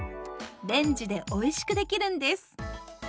レンジでおいしく出来るんです。